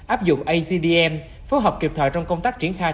áp dụng acdm phối hợp kịp thời trong công tác triển khai